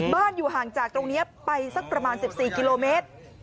อยู่ห่างจากตรงนี้ไปสักประมาณ๑๔กิโลเมตร